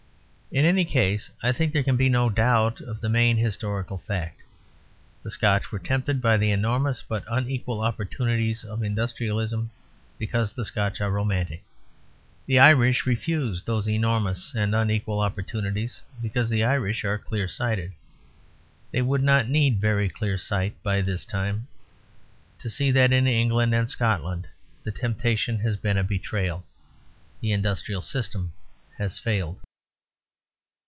In any case, I think there can be no doubt of the main historical fact. The Scotch were tempted by the enormous but unequal opportunities of industrialism, because the Scotch are romantic. The Irish refused those enormous and unequal opportunities, because the Irish are clear sighted. They would not need very clear sight by this time to see that in England and Scotland the temptation has been a betrayal. The industrial system has failed.